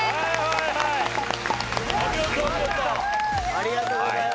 ありがとうございます。